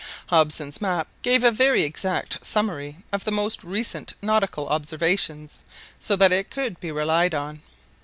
Hobson's map gave a very exact summary of the most recent nautical observations, so that it could be relied on.